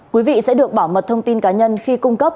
quý vị sẽ được bảo mật thông tin cá nhân khi cung cấp